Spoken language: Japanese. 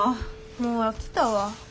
もう飽きたわ。